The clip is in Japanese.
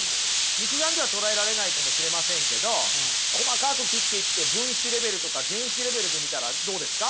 肉眼では捉えられないかもしれませんけど細かく切っていって分子レベルとか原子レベルで見たらどうですか？